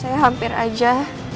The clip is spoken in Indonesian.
saya hampir aja